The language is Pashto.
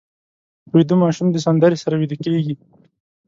ویده ماشوم د سندرې سره ویده کېږي